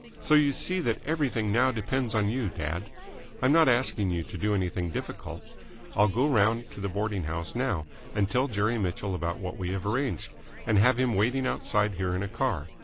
So you see that everything now depends on you, dad. I'm not asking you to do anything difficult. I'll go round to the boarding house now and tell Jerry Mitchell about what we have arranged, and have him waiting outside here in a car.